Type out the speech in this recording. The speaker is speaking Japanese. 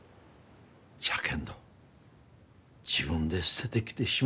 じゃけんど自分で捨ててきてしもうたがよ。